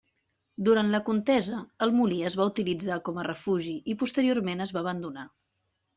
Durant la contesa, el molí es va utilitzar com refugi i posteriorment es va abandonar.